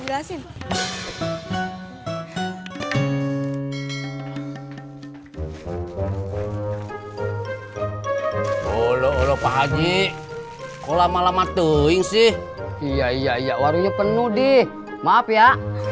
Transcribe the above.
jelasin oloh pagi kau lama lama tuing sih iya iya iya warnanya penuh di maaf ya